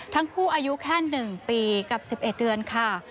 ทั้งคู่อายุแค่๑ปีกับ๑๑เดือนค่ะ